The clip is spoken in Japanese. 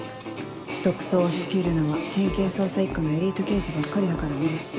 特捜を仕切るのは県警捜査一課のエリート刑事ばっかりだからね。